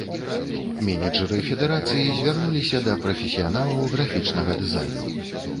Менеджэры федэрацыі звярнуліся да прафесіяналаў графічнага дызайну.